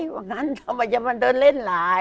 ทำไมอย่างนั้นถึงมันเล่นหลาย